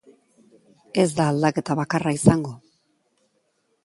Ez da aldaketa bakarra izango.